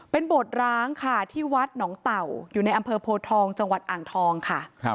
เป็นโบสตร้างค่ะที่วัดหนองเต่าอยู่ในอำเภอโพทองจังหวัดอ่างทองค่ะ